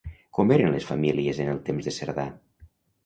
Com eren les famílies en el temps de Cerdà?